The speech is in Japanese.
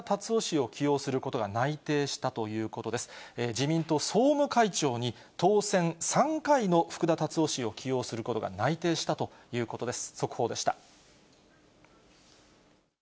自民党の総務会長に、当選３回の福田達夫氏を起用することが内定したということです。